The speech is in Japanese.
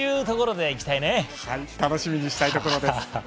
楽しみにしたいところです。